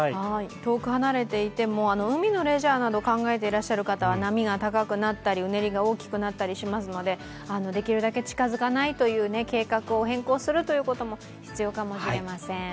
遠く離れていても海のレジャーなど考えている方は波が高くなったりうねりが大きくなったりしますので、できるだけ近づかないという計画を変更するということも必要かもしれません。